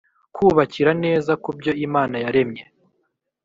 kubakira neza kubyo imana yaremye.